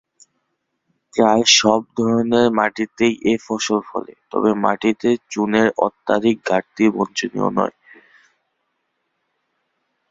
প্রায় সব ধরনের মাটিতেই এ ফসল ফলে, তবে মাটিতে চুনের অত্যধিক ঘাটতি বাঞ্ছনীয় নয়।